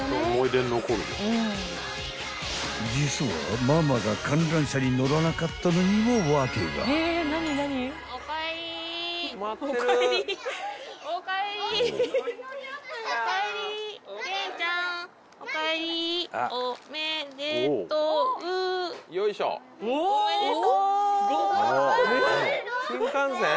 ［実はママが観覧車に乗らなかったのにも訳が］おめでとう！